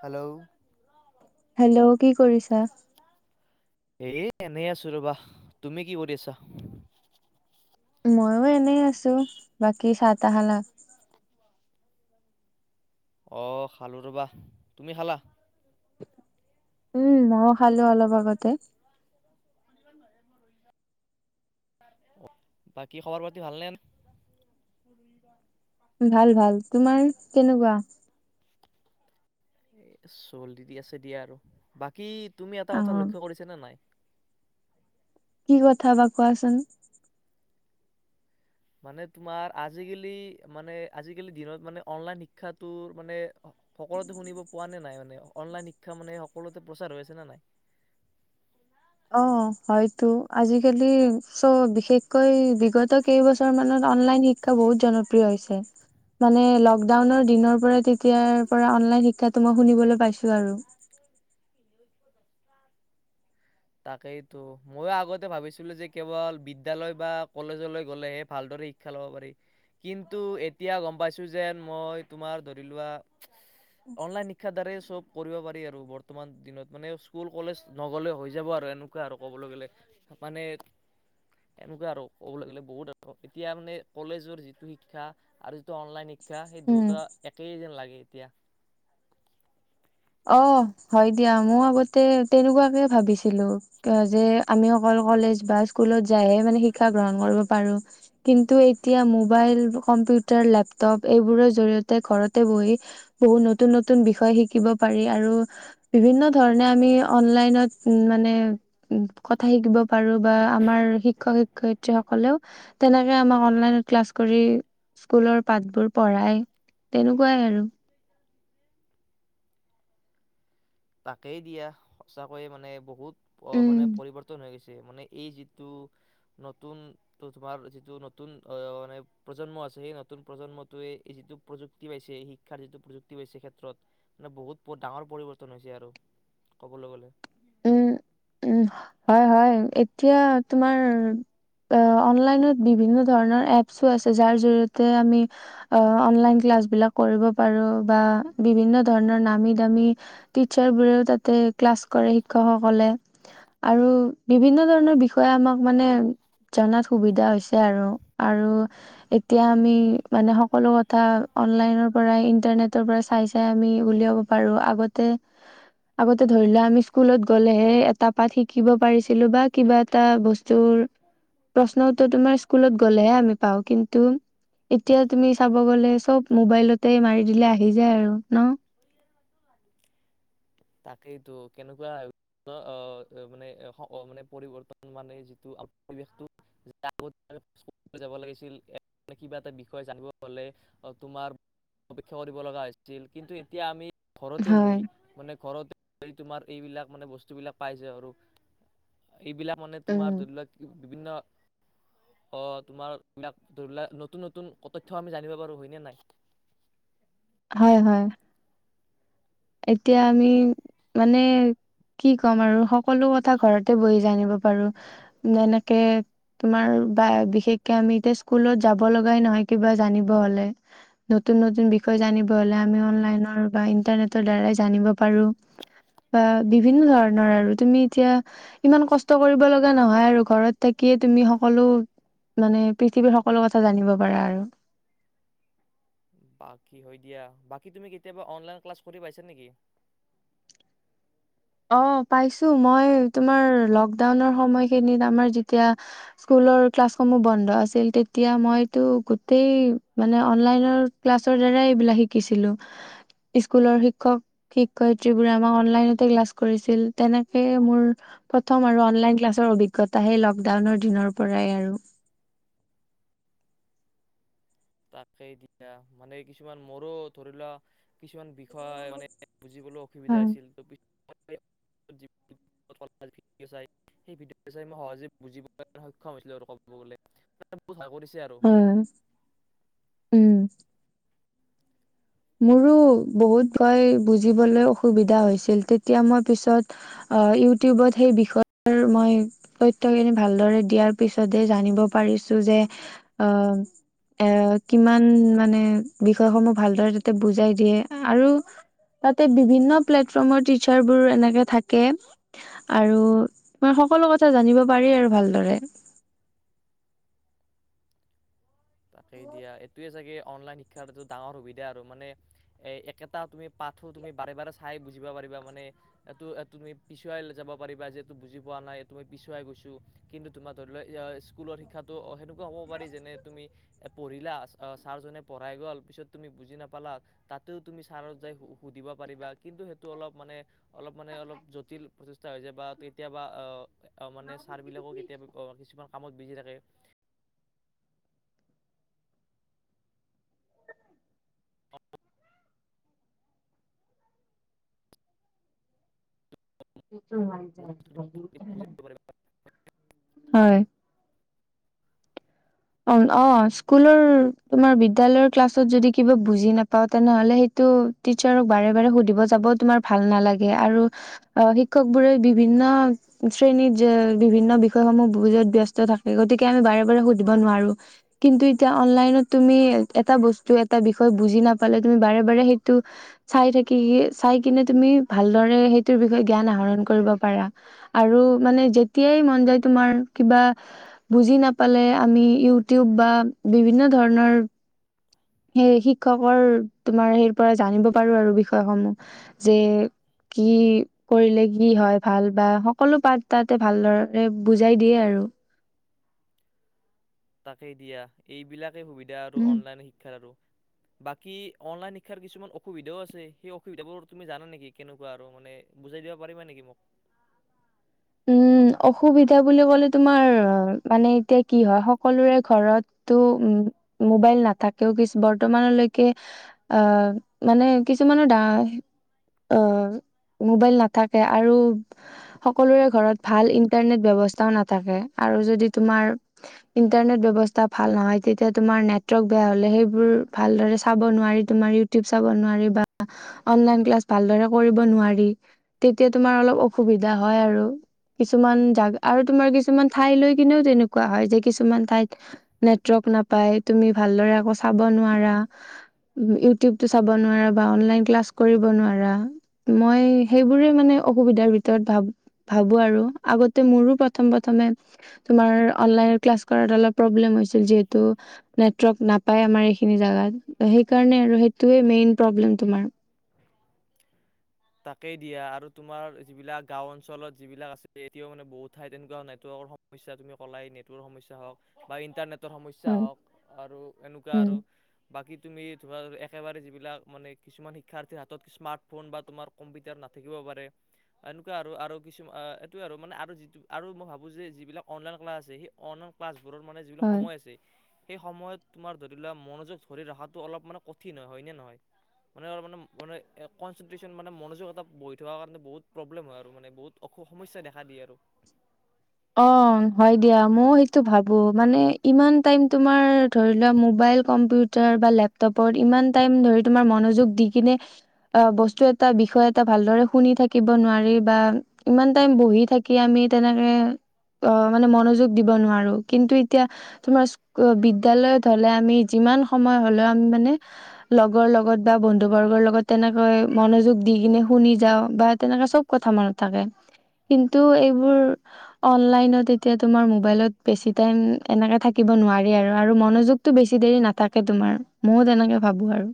Hello hello কি কৰিছা এ এনেই আছো ৰবা তুমি কি কৰি আছা ময়ো এনে আছো বাকী চাহ তাহ খালা অ খালো ৰবা তুমি খালা উম ম খালো অলপ আগতে বাকী খবৰ পাতি ভাল নে ভাল ভাল তোমাৰ কেনেকুৱা এ চলি দি আছে দিয়া আৰু বাকী তুমি এটা কথা অ' লক্ষ্য কৰিছা নে নাই কি কথা বা কোৱাচোন মানে তোমাৰ আজিকালি মানে আজিকালি দিনত মানে অনলাইন শিক্ষাটো মানে সকলোতে শুনিব পোৱা নে নাই মানে অনলাইন শিক্ষা মানে সকলোতে প্ৰচাৰ হৈ আছে ন নাই অ হয়তো আজিকালি চব বিশেষকৈ বিগত কেইবছৰ মানত অনলাইন শিক্ষা বহুত জনপ্ৰিয় হৈছে মানে লকডাউনৰ দিনৰ পৰা। এতিয়াৰ পৰা অনলাইন শিক্ষাটো মই শুনিবলৈ পাইছো আৰু তাকেইতো মইয়ো আগতে ভাবিছিলো যে কেৱল বিদ্যালয় বা কলেজলৈ গ'লেহে ভালদৰে শিক্ষা ল'ব পাৰি কিন্তু এতিয়া গম পাইছো যেন মই তোমাৰ ধৰি লোৱা অনলাইন শিক্ষা দ্বাৰাই চব কৰিব পাৰি আৰু বৰ্তমান দিনত মানে স্কুল কলেজ নগলে হৈ যা যায় আৰু এনেকুৱা আৰু ক'বলৈ গ'লে মানে এনেকুৱা আৰু ক'বলৈ গলে বহুত আৰু এতিয়া মানে কলেজৰ যিটো শিক্ষা আৰু যিটো অনলাইন শিক্ষা শিক্ষা সেই উম দুয়োটা একেই যেন লাগে এতিয়া অ হয় দিয়া মই আগতে তেনেকুৱাকে ভাবিছিলো যে আমি অকল কলেজ বা স্কুলত যাইহে মানে শিক্ষা গ্ৰহণ কৰিব পাৰো কিন্তু এতিয়া মোবাইল কম্পিউটাৰ লেপটপ এইবোৰৰ জৰিয়তে ঘৰতে বহি বহুত নতুন নতুন বিষয় শিকিব পাৰি। পাৰি আৰু বিভিন্ন ধৰণে আমি অনলাইনত মানে কথা শিকিব পাৰো বা আমাৰ শিক্ষক শিক্ষয়িত্ৰী সকলেও তেনেকে আমাক অনলাইনত ক্লাছ কৰি স্কুলৰ পাঠবোৰ পঢ়ায় তেনেকুৱাই আৰু তাকেই দিয়া সঁচাকৈয়ে মানে বহুত অ উম মানে পৰিৱৰ্তন হৈ গৈছে। মানে এই যিটো নতুন ত তোমাৰ যিটো নতুন আহ মানে প্ৰজন্ম আছে সেই নতুন প্ৰজন্মটোৱে এই যিটো প্ৰযুক্তি পাইছে শিক্ষাৰ যিটো প্ৰযুক্তি পাইছে ক্ষেত্ৰত মানে বহুত ডাঙৰ পৰিৱৰ্তন তন হৈছে আৰু ক'বলৈ গলে উম উম হয় হয় এতিয়া তোমাৰ অনলাইনত বিভিন্ন ধৰণৰ এপছো আছে যাৰ জৰিয়তে আমি অনলাইন ক্লাছ বিলাক কৰিব পাৰো বা বিভিন্ন ধৰণৰ নামী দামী টিচাৰ বোৰেও তাতে ক্লাছ কৰে। শিক্ষকসকলে আৰু বিভিন্ন ধৰণৰ বিষয়ে আমাক মানে জনাত সুবিধা হৈছে আৰু আৰু এতিয়া আমি মানে সকলো কথা অনলাইনৰ পৰা ইণ্টাৰনেটৰ পৰা চাই চাই আমি উলিয়াব পাৰো আগতে আগতে ধৰি লোৱা আমি স্কুলত গ'লেহে এটা পাঠ শিকিব পাৰিছিলো বা কিবা এটা বস্তুৰ প্ৰশ্ন উত্তৰ তোমাৰ স্কুলত গ'লেহে আমি পাও কিন্তু এতিয়া তুমি চাব গলে চব মোবাইলতে মাৰি দিলে আহি যায় আৰু ন তাকেইতো কেনেকুৱা অ মানে মানে পৰিৱৰ্তন মানে যিটো পৰিৱেশ আগতে স্কুল যাব লাগিছিল কিবা এটা বিষয় জানিব হলে তোমাৰ অপেক্ষা কৰিব লগা হৈছিল কিন্তু এতিয়া আমি ঘৰতে বহি হয় মানে বহি তোমাৰ এইবিলাক মানে বস্তুবিলাক পাই যে আৰু এইবিলাক মানে তোমাৰ ধৰি লোৱা বিভিন্ন অ তোমাৰ এইবিলাক ধৰি লোৱা নতুন নতুন তথ্য আমি জানিব পাৰো হয়নে নাই। হয় হয়। এতিয়া আমি মানে কি ক'ম আৰু সকলো কথা ঘৰতে বহি জানিব পাৰো যেনেকে তোমাৰ বা বিশেষকে আমি এতিয়া স্কুলত যাব লগাই নহয় কিবা জানিব হলে নতুন নতুন বিষয় জানিব হলে আমি অনলাইনৰ বা ইটাৰনেট দ্বাৰাই জানিব পাৰো বা বিভিন্ন ধৰণৰ আৰু তুমি এতিয়া ইমান কষ্ট কৰিব লগা নহয় আৰু ঘৰত থাকিয়ে তুমি সকলো মানে পৃথিৱীৰ সকলো কথা জানিব পাৰা। আৰু বাকী হয় দিয়া। বাকী তুমি কেতিয়াবা অনলাইন ক্লাছ কৰি পাইছা নেকি? অ পাইছো মই তোমাৰ লকডাউনৰ সময়খিনিত আমাৰ যেতিয়া স্কুলৰ ক্লাছসমূহ বন্ধ আছিল তেতিয়া মইতো গোটেই মানে অনলাইনৰ ক্লাছৰ দ্বাৰাই এইবিলাক শিকিছিলো স্কুলৰ শিক্ষক শিক্ষয়ত্ৰীবোৰে আমাক অনলনতে ক্লাছ কৰিছিল তেনেকে মোৰ প্ৰথম আৰু অনলাইন ক্লাছৰ অভিজ্ঞতা সেই লকডাউনৰ দিনৰ পৰাই আৰু তাকে দিয়া মানে কিছুমান মোৰো ধৰি লোৱা কিছুমান বি বিষয় মানে বুজিবলৈ অসুবিধা হয় আছিল। সেই ভিদেঅ চাই মই সহজে বুজিলে সক্ষম হৈছিলো আৰু কব গলে বহুত ভাল আছিল। উম উম মোৰো বহুত ভয় বুজিবলৈ অসুবিধা হৈছিল তেতিয়া মই পিছত ইউটিউবত সেই বিষয়ে মই তথ্যখিনি ভালদৰে দিয়াৰ পিছতে জানিব পাৰিছো যে অ এ কিমান মানে বিষয়সমূহ ভালদৰে বুজাই দিয়ে আৰু তাতে বিভিন্ন প্লেটফৰ্মৰ টিচাৰবোৰ এনেকে থাকে আৰু মই সকলো কথা জানিব পাৰি আৰু ভালদৰে তাকেই দিয়া এইটোয়ে চাগে অনলাইন শিক্ষাটো ডাঙৰ সুবিধা আৰু মানে এ একেটা তুমি পাঠো তুমি বাৰে বাৰে চাই বুজিবা পাৰিবা মানে এই এইটো তুমি পিছুৱাই যাব পাৰিবা যে এইটো বুজি পোৱা নাই এই তুমি পিছুৱাই গৈছো কিন্তু তোমাৰ ধৰি লোৱা স্কুলৰ শিক্ষাটো হ'ব পাৰি যেনে তুমি পঢ়িলা ছাৰজনে পঢ়াই গ'ল পিছত তুমি বুজি নাপালা তাতেও তুমি ছাৰত যাই সুধিব পাৰিবা কিন্তু সেইটো অলপ মানে অলপ মানে অলপ জটিল প্ৰচেছ এটা হৈ যায় বা কেতিয়াবা আহ মানে ছাৰ বিলাকো কেতিয়াবা কিছুমান কামত বিজি থাকে বুজি [unintelligible] হয় অ অ স্কুলৰ তোমাৰ বিদ্যালয় ক্লাছত যদি কিবা বুজি নাপাওঁ তেনেহলে সেইটো টিচাৰক বাৰে-বাৰে সুধিব যাব তোমাৰ ভাল নালাগে। আৰু, অ', শিক্ষক বোৰে বিভিন্ন শ্ৰেণীত বিভিন্ন বিষয়সমূহ বুজুৱাত ব্যস্ত থাকে। গতিকে আমি বাৰে-বাৰে দিব নোৱাৰোঁ, কিন্তু এতিয়া অনলাইনত তুমি এটা বস্তু, এটা বিষয়, বুজি নাপালে তুমি বাৰে- বাৰে সেইটো চাই থাকি চাই কিনে তুমি ভালদৰে সেইটোৰ বিষয়ে জ্ঞান আহৰণ কৰিব পাৰা। আৰু মানে যেতিয়াই মন যায় তোমাৰ কিবা বুজি নাপালে আমি ইউটিউব বা বিভিন্ন, ধৰণৰ, সেই শিক্ষকৰ তোমাৰ সেই পৰা জানিব পাৰো আৰু বিষয়সমূহ যে', কি কৰিলে কি হয়', ভাল বা সকলো পাত তাতে ভালদৰে বুজাই দিয়ে আৰু। তাকেই দিয়া এইবিলাক, সুবিধা আৰু উম অনলাইন শিক্ষাৰ আৰু, বাকী অনলাইন শিক্ষাৰ কিছুমান অসুবিধাও আছে সেই অসুবিধাবোৰ তুমি জানা নেকি কেনেকুৱা আৰু মানে বুজাই দিবা পাৰিবা নেকি মোক? উম ', অসুবিধা বুলি ক'লে', -তোমাৰ মানে এতিয়া কি হয় সকলোৰে ঘৰতটো উম ', মোবাইল নাথাকেও কি', বৰ্তমানলৈকে আহ', মানে কিছুমানৰ অ', মোবাইল নাথাকে আৰু সকলোৰে ঘৰত ভাল ইণ্টাৰনেট ব্যৱস্থাও নাথাকে, আৰু যদি তোমাৰ ইণ্টাৰনেট ব্যৱস্থা ভাল নহয় তেতিয়া তোমাৰ নেটৱৰ্ক বেয়া হলে সেইবোৰ ভালদৰে চাব নোৱাৰি। তোমাৰ ইউটিউব চাব নোৱাৰি। বা অনলাইন ক্লাছ ভালদৰে কৰিব নোৱাৰি। তেতিয়া তোমাৰ অলপ অসুবিধা হয়। হয় ', আৰু কিছুমান জা', আৰু তোমাৰ কিছুমান ঠাই লৈ কিনেও তেনেকুৱা হয়, যে', কিছুমান ঠাইত নেটৱৰ্ক নাপায়, তুমি ভালদৰে আকৌ চাব নোৱাৰা, ইটিউবটো চাব নোৱাৰা, বা অনলন ক্লাচ, কৰিব নোৱাৰা মই সেইবোৰে মান অসুবিধাৰ ভিতৰত ভাবো ভাবো আৰু আগতে মোৰো প্ৰথম -প্ৰথমে তোমাৰ অনলাইন ক্লাছ কৰাত অলপ প্ৰব্লেম হৈছিল যিহেতু নেটৱৰ্ক নাপায় আমাৰ এইখিনি জোগাত সেইকাৰণে আৰু সেইটোৱে মেইন প্ৰব্লেম তোমাৰ তাকেই দিয়া। আৰু, তোমাৰ যিবিলাক গাওঁ-অঞ্চলত যিবিলাক আছে, এতিয়া মানে বহুত ঠাইত এনেকোৱা মানে নেটৱৰ্কৰ সমস্যা, তুমি ক'লাই নেটৱৰ্কৰ্ সমসাই হওঁক বা ইন্টাৰনেট, সমস্যা হয় হওক আৰু এনেকুৱা উম আৰু বাকী তুমি, তোমাৰ একেবাৰে যিবিলাক, মানে কিছুমান শিক্ষাৰ্থীৰ হাতত স্মাৰ্টফোন বা তোমাৰ কম্পিউটাৰ নাথাকিব পাৰে, এনেকুৱা আৰু কিছুমান এইটোৱে আৰু মানে আৰু যিটো আৰু মই ভাবোঁ যে যিবিলাক অনলাইন ক্লাছ আছে সেই অনলাইন ক্লাছ বোৰত মানে যিবিলাক হয়। সময় আছে, সেই সময়ত তোমাৰ ধৰি লোৱা মনোযোগ ধৰি ৰখাটো অলপ মানে কঠিন হয়নে- নহয়? মানে-মানে-মানে কনচেনট্ৰেশচন মানে মনোযোগ এতা বহি থকা কাৰণে বহুত প্ৰব্লেম হয়', আৰু মানে বহুত অসুখ সমস্যাই দেখা দিয়ে আৰু। অ', - হয়', দিয়া, ময়ও সেইটো ভাবো মানে ইমান টাইম তোমাৰ ধৰি লোৱা মোবাইল কম্পিউটাৰ বা লেপটপত ইমান টাইম ধৰি তোমাৰ মনোযোগ দি, কিনে বস্তু এটা বিষয় এটা ভালদৰে শুনি থাকিব নোৱাৰি বা ইমান টাইম বহি থাকি আমি তেনেকে, অ', মানে মনোযোগ দিব নোৱাৰো। কিন্তু এতিয়া তোমাৰ বিদ্যালয়ত হলে আমি যিমান সময় হলেও আমি মানে লগৰ লগত বা বন্ধু বৰ্গৰ লগত তেনেকৈ মনোযোগ দি কিনে শুনি যাওঁ বা তেনেকে চব কথা মনত থাকে কিন্তু এইবোৰ অনলাইনত এতিয়া তোমাৰ মোবাইলত বেছি তাইম এনেকে থাকিব নোৱাৰি, আৰু মনযোগটো বেছি দেৰি নাথাকে, তোমাৰ মইও তেনেকে ভাবো আৰু।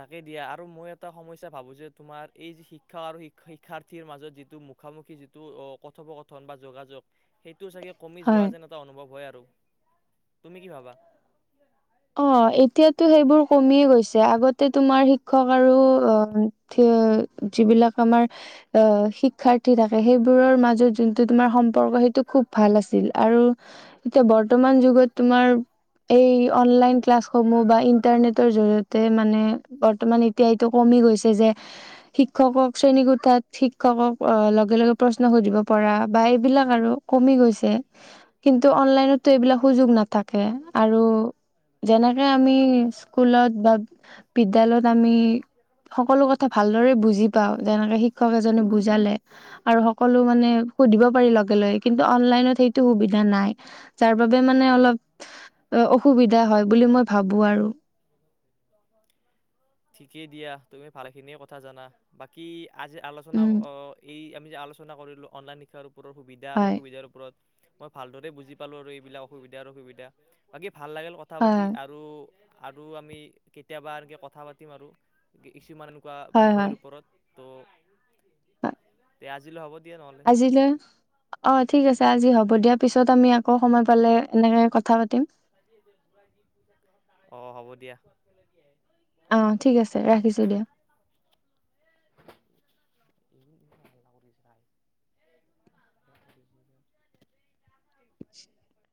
তাকে দিয়া আৰু মই এটা সমস্যা ভাবো যে', তুমাৰ এই শিক্ষা আৰু শিক্ষাৰ্থীৰ মাজত যিটো মুখামুখি যিটো কথোপকথন বা যোগাযোগ সেই সেইটো চাগে কমি হয় যোৱা যেন এটা অনুভৱ হয়', আৰু, তুমি কি ভাবা? অ', এতিয়া সেইটো -সেইবোৰ কমিয়ে গৈছে আগত, তোমাৰ শিক্ষক আৰু আৰু অহ', থিয় যিবিলাক আমাৰ আহ', শিক্ষাৰ্থী থাকে, সেইবোৰৰ মাজত যোনটো তোমাৰ সম্পৰ্ক সেইটো খুব ভাল আছিল, আৰু এতিয়া বৰ্তমান যুগত তোমাৰ এই অনলাইন ক্লাছসমূহ বা ইন্টাৰনেটৰ জৰিয়তে মানে বৰ্তমান এতিয়া এইটো কমি গৈছে যে', শিক্ষকক শ্ৰেণীকোঠাত শিক্ষকক আহ লগে- -লগে প্ৰশ্ন সুধিব, পৰা বা এইবিলাক আৰু, কমি গৈছে, কিন্তু অনলাইনতটো এইবিলাক সুযোগ নাথাকে আৰু, যেনেকে আমি স্কুলত বা বিদ্যালয়ত আমি সকলো কথা ভালদৰে বুজি পাওঁ, যেনেকে শিক্ষক এজনে বুজালে আৰু সকলো মানে সুধিব পাৰি লগে-লগে কিন্তু কিন্তু অনলাইনত সেইটো সুবিধা নায়। যাৰ বাবে মানে অলপ অসু, অসুবিধা হয় বুলি মই ভাবোঁ আৰু, ঠিকেই দিয়া তুমি ভালে খিনিয়ে কথা জানা বাকী, আজি আলোচনা উম অ এই আমি আলোচনা কৰিলো অনলাইন শিক্ষাৰ আৰু পৰ সুবিধা আৰু হয় অসুবিধাৰ ওপৰত মই ভালদৰে বুজি পালো আৰু এইবিলাক অসুবিধাৰ সুবিধা বাকী ভাল লাগিল কথা পাতি হয় আৰু আৰু আমি কেতিয়াবা এনেকে কথা পাতিম আৰু কিছুমান কা হয় বিষয়ৰ হয় ওপৰত হয় দে আজিলৈ হ'ব দিয়া নহ'লে আজিলৈ অ ঠিক আছে আজি হব দিয়া পিছত তুমি আকৌ সময় পালে এনেকে কথা পাতিম অ হ'ব দিয়া আহ ঠিক আছে ৰাখিছো দিয়া ় [unintelligible] ় [unintelligible]